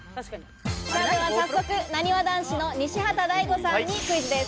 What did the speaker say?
では早速、なにわ男子の西畑大吾さんにクイズです。